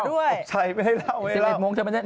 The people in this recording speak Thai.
ตกใจไม่ได้เล่ารัก๑๑โมงเธอไม่ได้เล่า